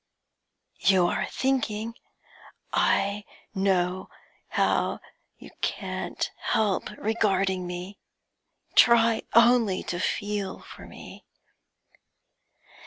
'You are thinking? I know how you can't help regarding me. Try only to feel for me.'